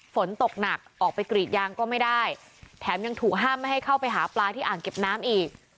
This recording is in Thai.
ฝนตกหนักออกไปกรีดยางก็ไม่ได้แถมยังถูกห้ามไม่ให้เข้าไปหาปลาที่อ่างเก็บน้ำอีก